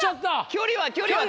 距離は距離は。